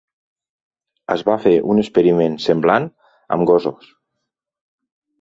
Es va fer un experiment semblant amb gossos.